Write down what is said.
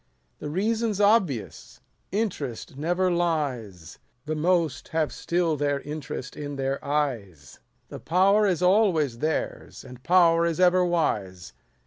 The reason 's obvious : interest never lies ; The most have still their interest in their eyes ; The power is always theirs, and power is ever wise.